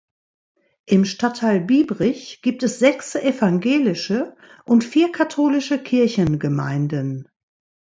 Im Stadtteil Biebrich gibt es sechs evangelische und vier katholische Kirchengemeinden.